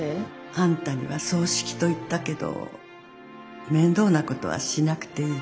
「あんたには葬式と言ったけど面倒なことはしなくていい」。